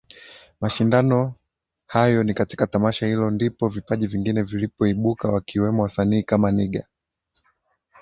mashindano hayo Ni katika tamasha hilo ndipo vipaji vingine vilipoibuka wakiwemo wasanii kama nigga